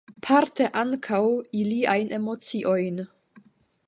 Parte ankaŭ iliajn emociojn.